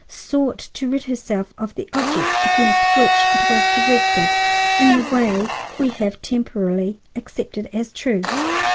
—sought to rid herself of the object against which it was directed in the way we have temporarily accepted as true.